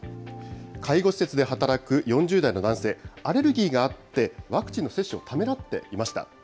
介護施設で働く４０代の男性、アレルギーがあって、ワクチンの接種をためらっていました。